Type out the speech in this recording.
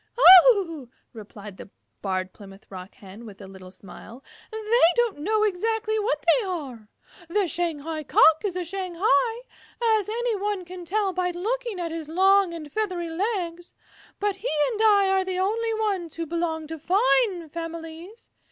"Oh," replied the Barred Plymouth Rock Hen with a little smile, "they don't know exactly what they are. The Shanghai Cock is a Shanghai, as any one can tell by looking at his long and feathery legs, but he and I are the only ones who belong to fine families.